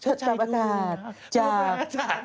เชิดตามอากาศจาก